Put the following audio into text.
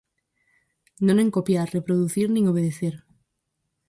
Non en copiar, reproducir nin obedecer.